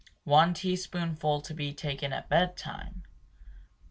"One teaspoonful to be taken at bedtime."